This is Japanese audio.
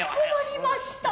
畏りました。